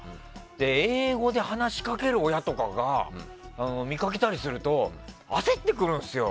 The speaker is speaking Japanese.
英語で話しかける親とかを見かけたりすると焦ってくるんですよ。